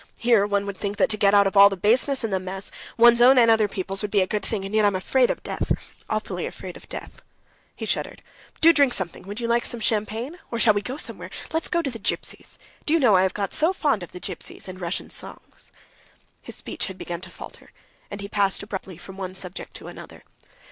"Here one would think that to get out of all the baseness and the mess, one's own and other people's, would be a good thing, and yet I'm afraid of death, awfully afraid of death." He shuddered. "But do drink something. Would you like some champagne? Or shall we go somewhere? Let's go to the Gypsies! Do you know I have got so fond of the Gypsies and Russian songs." His speech had begun to falter, and he passed abruptly from one subject to another.